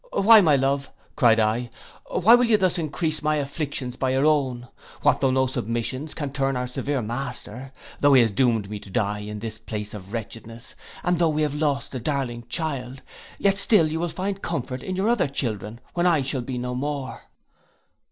'Why, my love,' cried I, 'why will you thus encrease my afflictions by your own, what though no submissions can turn our severe master, tho' he has doomed me to die in this place of wretchedness, and though we have lost a darling child, yet still you will find comfort in your other children when I shall be no more.